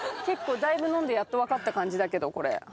結構だいぶ飲んでやった分かった感じだけどこれ。